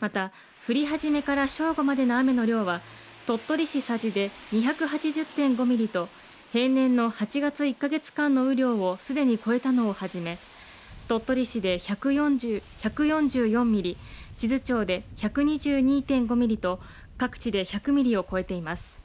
また降り始めから正午までの雨の量は、鳥取市佐治で２８０．５ミリと、平年の８月１か月間の雨量をすでに超えたのをはじめ、鳥取市で１４４ミリ、智頭町と、１２２．５ミリと各地で１００ミリを超えています。